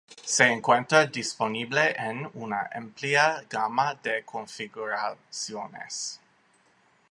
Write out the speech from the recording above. Se encuentra disponible en una amplia gama de configuraciones.